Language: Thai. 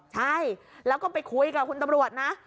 ใช่แล้วก็ไปคุยกับคุณตำรวจนะ